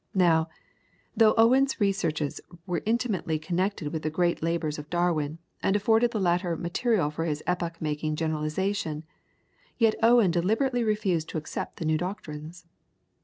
Now, though Owens researches were intimately connected with the great labours of Darwin, and afforded the latter material for his epoch making generalization, yet Owen deliberately refused to accept the new doctrines.